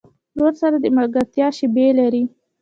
ورور سره د ملګرتیا شیبې لرې.